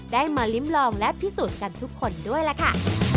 ได้มาลิ้มลองและพิสูจน์กันทุกคนด้วยล่ะค่ะ